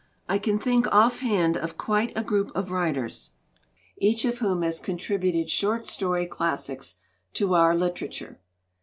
I can think off hand of quite a group of writers, each of whom has contributed short story classics to our litera ture.